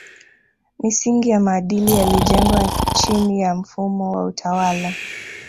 Misingi ya maadili yalijengwa chini ya mfumo wa utawala